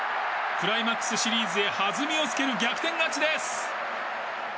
クライマックスシリーズで弾みをつける逆転勝ちです。